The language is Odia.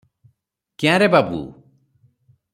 କ୍ୟାଁ ରେ ବାବୁ!